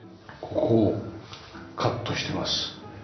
こうカットしてます。